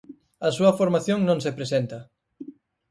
A súa formación non se presenta.